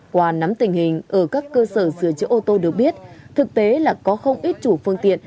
qua năm hai nghìn một mươi tám đồng tiền của tài xế đã tăng gấp đôi